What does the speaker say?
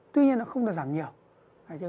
tuy nhiên nó không được giảm nhiều